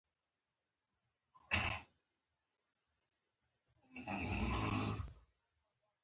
پوهه انسان ته ځواک وربخښي.